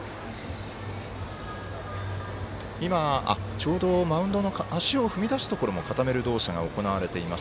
ちょうどマウンドの足を踏み出すところを固める動作が行われています。